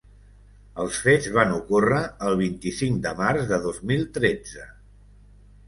Els fets van ocórrer el vint-i-cinc de març de dos mil tretze.